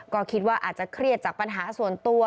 ก็คิดว่าอาจจะเครียดจากปัญหาส่วนตัว